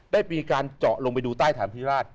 ได้ปีนที่การเจาะลงไปดูใต้ถ่านพิสุธราช